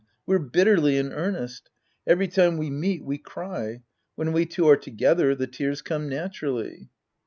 We're bitterly in earnest. Every time we meet, we ciy. When we two are together, the tears come naturally.